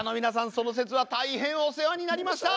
その節は大変お世話になりました。